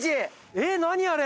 えっ何あれ？